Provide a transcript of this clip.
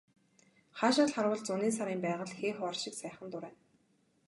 Хаашаа л харвал зуны сарын байгаль хээ хуар шиг сайхан дурайна.